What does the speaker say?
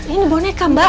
ini boneka mbak